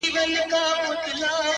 د ښايست تصوير دې دومره محدود سوی _